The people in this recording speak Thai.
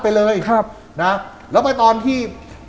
บางคนก็สันนิฐฐานว่าแกโดนคนติดยาน่ะ